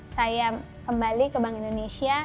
saya kembali ke bank indonesia